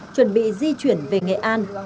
chuẩn bị di chuyển về nghệ an